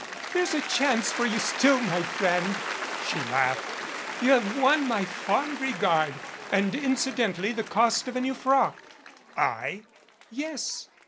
"There's a chance for you still, my friend," she laughed. "You have won my fond regard and, inciden tally, the cost of a new frock." "I?" "Yes.